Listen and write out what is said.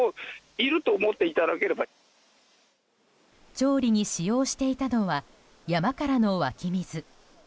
調理に使用していたのは山からの湧き水。